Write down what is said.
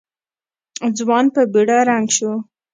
ځوان په بېړه رنګ شو.